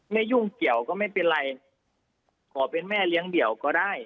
ยุ่งเกี่ยวก็ไม่เป็นไรขอเป็นแม่เลี้ยงเดี่ยวก็ได้